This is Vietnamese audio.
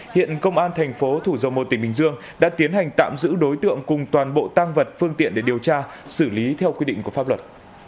hiện công an thành phố thủ dầu một tỉnh bình dương đã tiến hành tạm giữ đối tượng cùng toàn bộ tăng vật phương tiện để điều tra xử lý theo quy định của pháp luật